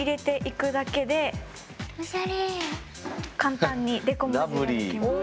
簡単にデコ文字ができます。